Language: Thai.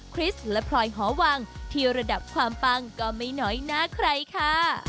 คริสต์และพลอยหอวังที่ระดับความปังก็ไม่น้อยหน้าใครค่ะ